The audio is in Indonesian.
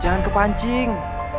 jangan ke pancing